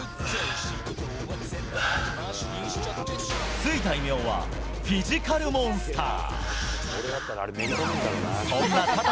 付いた異名は、フィジカルモンスター。